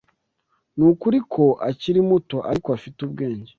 Nukuri ko akiri muto, ariko afite ubwenge.